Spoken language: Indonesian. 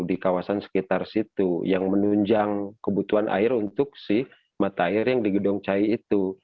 di kawasan sekitar situ yang menunjang kebutuhan air untuk si mata air yang di gedong cai itu